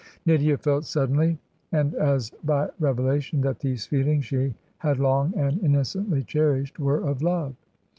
... Nydia felt suddenly, and as by revela tion, that these feelings she had long and innocently cherished, were of love.